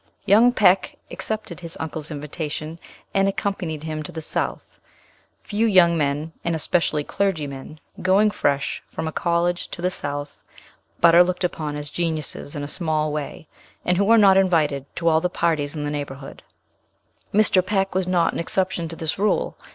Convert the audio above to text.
Young Peck accepted his uncle's invitation, and accompanied him to the South. Few young men, and especially clergymen, going fresh from a college to the South, but are looked upon as geniuses in a small way, and who are not invited to all the parties in the neighbourhood. Mr. Peck was not an exception to this rule.